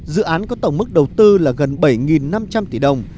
dự án có tổng mức đầu tư là gần bảy năm trăm linh tỷ đồng